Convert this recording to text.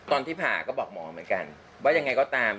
ผ่าก็บอกหมอเหมือนกันว่ายังไงก็ตาม